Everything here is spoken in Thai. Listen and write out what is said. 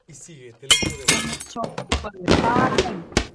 เกมโชว์เปิดป้าย